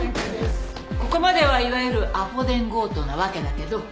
ここまではいわゆるアポ電強盗なわけだけど。